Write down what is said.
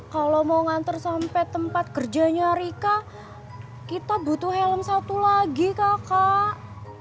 kalau mau nganter sampai tempat kerjanya rika kita butuh helm satu lagi kakak